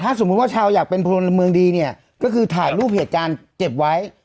สมมุติว่าชาวอยากเป็นพลเมืองดีเนี่ยก็คือถ่ายรูปเหตุการณ์เก็บไว้